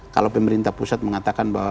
kalau pemerintah pusat mengatakan bahwa